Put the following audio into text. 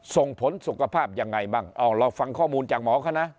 ส่งผลสุขภาพยังไงบ้างเอาเราฟังข้อมูลจากหมอเขานะ